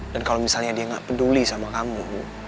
dan kalo misalnya dia gak peduli sama kamu